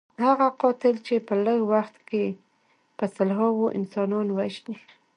هغه قاتل چې په لږ وخت کې په سلهاوو انسانان وژني.